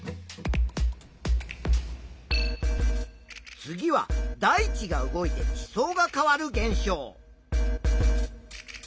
次は大地が動いて地層が変わる現象。